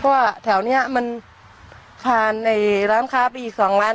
เพราะว่าแถวนี้มันผ่านร้านค้าไปอีก๒ร้าน